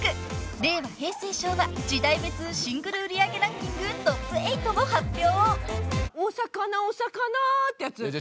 ［令和平成昭和時代別シングル売り上げランキングトップ８を発表］